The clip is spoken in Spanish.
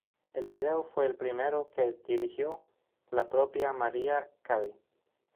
El vídeo fue el primero que dirigió la propia Mariah Carey.